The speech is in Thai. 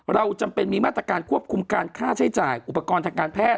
เราจำเป็นมีมาตรการควบคุมการค่าใช้จ่ายอุปกรณ์ทางการแพทย์